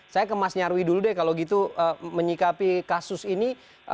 saya ke mas nyarwi dulu deh kalau gitu menyikapi kasus ini